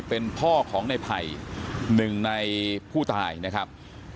เป็นพ่อของในไผ่หนึ่งในผู้ตายนะครับ